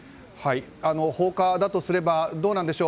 放火だとすればどうなんでしょう？